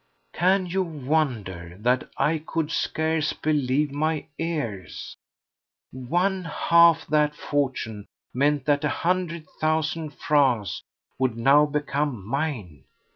Can you wonder that I could scarce believe my ears? One half that fortune meant that a hundred thousand francs would now become mine!